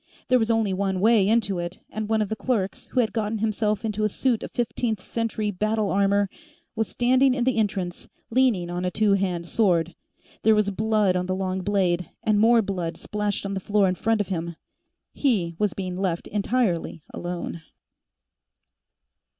There was only one way into it, and one of the clerks, who had gotten himself into a suit of Fifteenth Century battle armor, was standing in the entrance, leaning on a two hand sword. There was blood on the long blade, and more blood splashed on the floor in front of him. He was being left entirely alone.